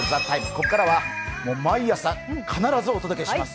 ここからは毎朝必ずお届けします